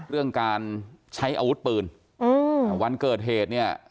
เรื่องการใช้อาวุธปืนอืมอ่าวันเกิดเหตุเนี่ย